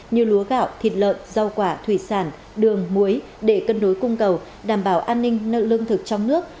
như lúa gạo thịt lợn rau quả thủy sản đường muối để cân đối cung cầu đảm bảo an ninh nợ lương thực trong nước